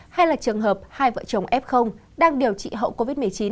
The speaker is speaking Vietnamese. hay là trường hợp hai vợ chồng f đang điều trị hậu covid một mươi chín